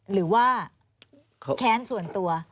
หรือว่าแค้นส่วนตัว